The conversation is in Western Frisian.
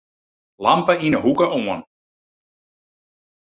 Lampe yn 'e hoeke oan.